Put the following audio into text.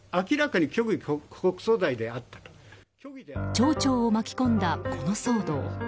町長を巻き込んだ、この騒動。